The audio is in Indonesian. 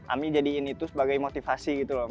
ami jadiin itu sebagai motivasi gitu loh